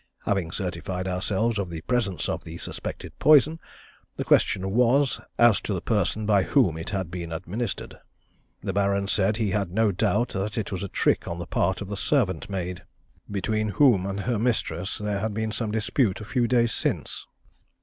Having certified ourselves of the presence of the suspected poison, the question was, as to the person by whom it had been administered. The Baron said he had no doubt that it was a trick on the part of the servant maid, between whom and her mistress there had been some dispute a few days since.